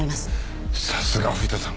さすが藤田さん！